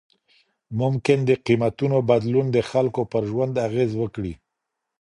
ممکن د قیمتونو بدلون د خلګو پر ژوند اغیز وکړي.